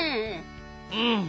うん。